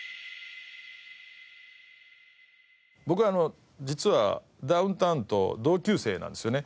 僕は実はダウンタウンと同級生なんですよね。